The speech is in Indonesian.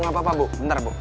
gak apa apa bu bentar bu